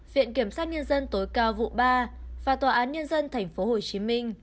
viện kiểm sát nhân dân tối cao vụ ba và tòa án nhân dân tp hồ chí minh